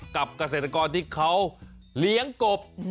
เกษตรกรที่เขาเลี้ยงกบ